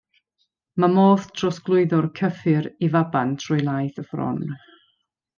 Mae modd trosglwyddo'r cyffur i faban trwy laeth y fron.